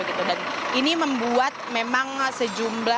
ini membuat memang sejumlah